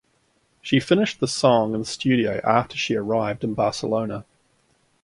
She finished the song in the studio after she arrived in Barcelona.